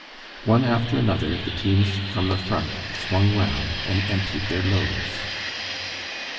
One after another the teams from the Front swung round and emptied their loads.